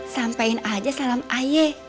sampain aja salam ayek